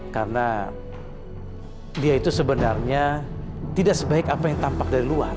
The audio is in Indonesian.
karena dia itu sebenarnya tidak sebaik apa yang tampak dari luar